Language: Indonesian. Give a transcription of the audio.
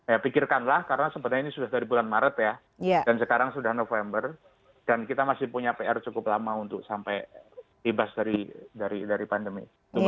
ya pikirkanlah karena sebenarnya ini sudah dari bulan maret ya dan sekarang sudah november dan kita masih punya pr cukup lama untuk sampai ibas dari pandemi